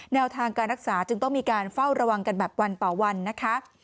แนวทางการรักษาจึงต้องมีการเฝ้าระวังกันแบบวันต่อวันนะคะ